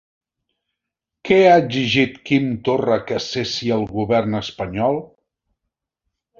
Què ha exigit Quim Torra que cessi el govern espanyol?